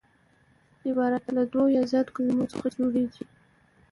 عبارت له دوو یا زیاتو کليمو څخه جوړ يي.